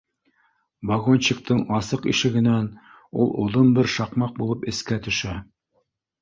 Вагончиктың асыҡ ишегенән ул оҙон бер шаҡмаҡ булып эскә төшә